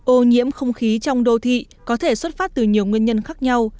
ô nhiễm không khí trong đô thị có thể xuất phát từ nhiều nguyên nhân khác nhau